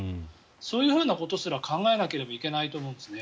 そういうことすら考えなければいけないと思うんですね。